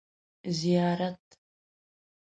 ـ زیارت.